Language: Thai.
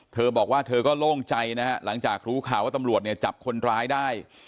เธอบอกว่าเธอก็โล่งใจนะฮะหลังจากรู้ข่าวว่าตำรวจเนี่ยจับคนร้ายได้